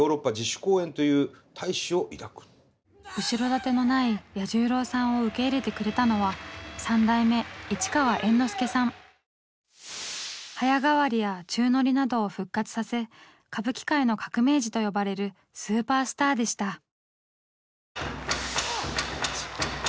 後ろ盾のない彌十郎さんを受け入れてくれたのは早替りや宙乗りなどを復活させ「歌舞伎界の革命児」と呼ばれるスーパースターでした。